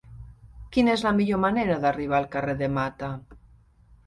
Quina és la millor manera d'arribar al carrer de Mata?